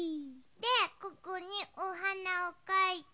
でここにおはなをかいて。